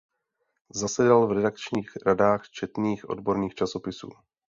Zasedal v redakčních radách četných odborných časopisů.